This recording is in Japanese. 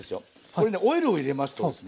これねオイルを入れますとですね